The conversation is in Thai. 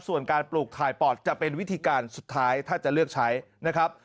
ส่วนการปลูกถ่ายปอดจะเป็นวิธีการสุดท้ายถ้าจะเลือกใช้นะครับ